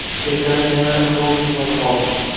Ertalab yana Rolton sotib oldim